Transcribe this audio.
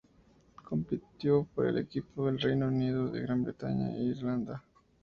Compitió por el equipo del Reino Unido de Gran Bretaña e Irlanda.